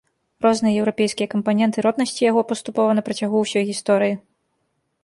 Розныя еўрапейскія кампаненты роднасці яго паступова на працягу ўсёй гісторыі.